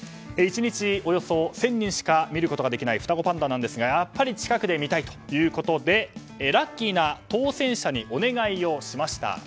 １日およそ１０００人しか見ることができない双子パンダですがやっぱり近くで見たいということでラッキーな当選者にお願いをしました。